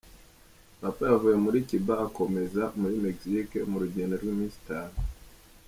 Papa yavuye muri Cuba akomeza muri Mexique mu rugendo rw’iminsi itanu.